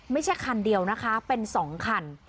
ไม่ใช่คันเดียวนะคะเป็น๒คัน